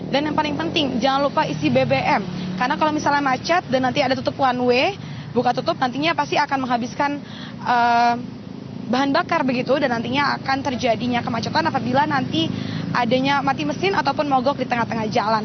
dan yang paling penting jangan lupa isi bbm karena kalau misalnya macet dan nanti ada tutup one way buka tutup nantinya pasti akan menghabiskan bahan bakar begitu dan nantinya akan terjadinya kemacetan apabila nanti adanya mati mesin ataupun mogok di tengah tengah jalan